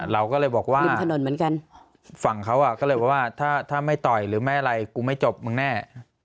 เราก็เลยบอกว่าฝั่งเขาก็เลยบอกว่าถ้าไม่ต่อยหรือไม่อะไรกูไม่จบมันแน่